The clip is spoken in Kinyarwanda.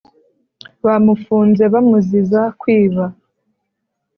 bamufunze bamuziza kwiba